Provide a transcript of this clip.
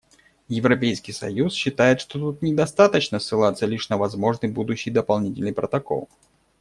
Европейский союз считает, что тут недостаточно ссылаться лишь на возможный будущий дополнительный протокол.